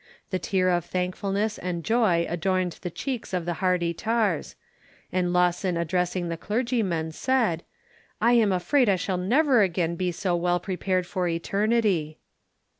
The tear of thankfulness and joy adorned the cheeks of the hardy tars; and Lawson addressing the clergyman, said, "I am afraid I shall never again be so well prepared for eternity."